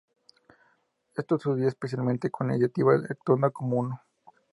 Esto sucedía especialmente con la iniciativa Actuando como uno.